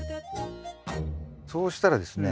そうしたらですね